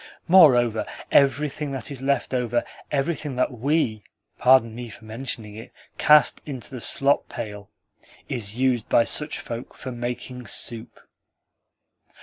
Moreover, everything that is left over everything that WE (pardon me for mentioning it) cast into the slop pail is used by such folk for making soup."